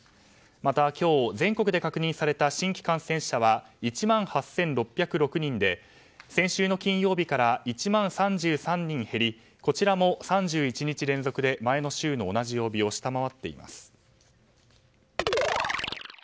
また今日、全国で確認された新規感染者は１万８６０６人で先週の金曜日から１万３３人減りこちらも３１日連続で前の週の同じ曜日を下回っています。